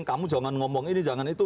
kamu jangan ngomong ini jangan itu